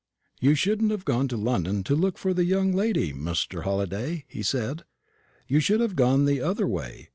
'You shouldn't have gone to London to look for the young lady, Muster Halliday,' he said; 'you should have gone the other way.